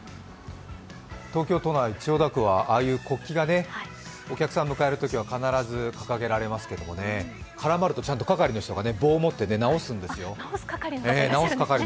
東京都内、千代田区は国旗がお客さんを迎えるときは必ず掲げられますけれども、絡まるとちゃんと係の人が棒を持って直すんですよ。